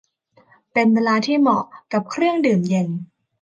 เป็นเวลาที่เหมาะกับเครื่องดื่มเย็น